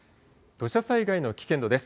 土砂災害の危険度です。